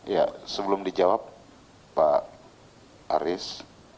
ya sebelum dijawab pak aris